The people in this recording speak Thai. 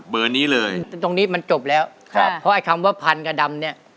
เบอร์นี้เลยตรงนี้มันจบแล้วครับเพราะคำว่าภันค์กับดำ